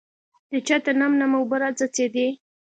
د چته نم نم اوبه راڅڅېدې .